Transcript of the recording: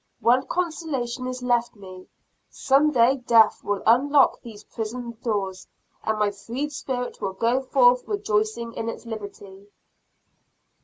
One consolation is left me some day death will unlock those prison doors, and my freed spirit will go forth rejoicing in its liberty.